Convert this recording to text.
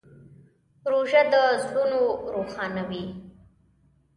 روژه د زړونو روښانوي.